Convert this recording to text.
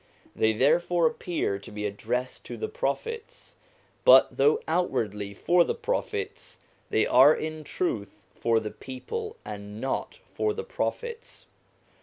They therefore appear to be addressed to the Prophets; but though outwardly for the Prophets, they are in truth for the people and not for the Prophets.